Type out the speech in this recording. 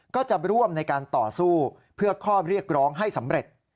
ก็จะร่วมในการต่อสู้เพื่อข้อเรียกร้องให้สำเร็จ